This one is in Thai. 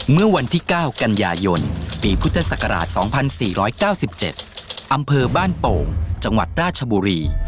เมื่อวันที่๙กันยายนปีพุทธศักราช๒๔๙๗อำเภอบ้านโป่งจังหวัดราชบุรี